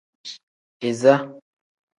Iza.